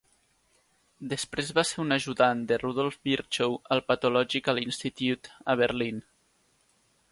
Després va ser un ajudant de Rudolf Virchow al Pathological Institute a Berlín.